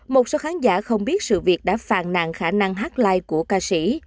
một số khán giả không biết sự việc đã phàn nạn khả năng hát live của ca sĩ